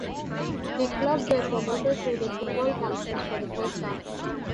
The club were promoted to the Football Conference for the first time.